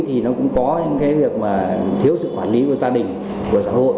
thì nó cũng có những cái việc mà thiếu sự quản lý của gia đình của xã hội